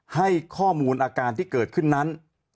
ให้ข้อมูลอาการที่เกิดขึ้นนั้น